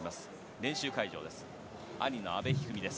練習会場です。